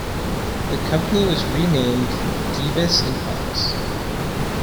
The company was renamed Gieves and Hawkes.